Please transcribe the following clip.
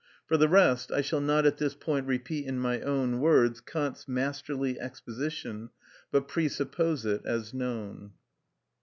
For the rest, I shall not at this point repeat in my own words Kant's masterly exposition, but presuppose it as known.